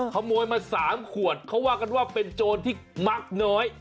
ขโมยมา๓ขวดเขาว่ากันว่าเป็นโจรที่มักน้อย